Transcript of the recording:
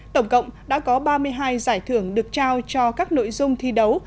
tổng cộng đã có ba mươi hai giải thưởng được trao cho các nội dung thi đấu